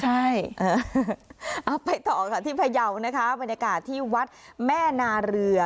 ใช่เอาไปต่อค่ะที่พยาวนะคะบรรยากาศที่วัดแม่นาเรือ